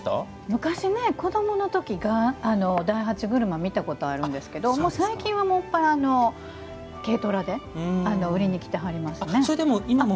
昔、子どものとき大八車、見たことあるんですけど最近は、専ら軽トラで売りにきてはりますね。